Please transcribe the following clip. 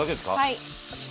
はい。